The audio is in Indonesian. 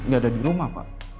gak ada di rumah pak